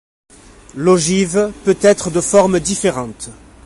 L'ogive peut être de formes différentes.